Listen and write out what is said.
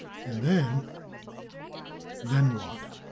And then...." Then what?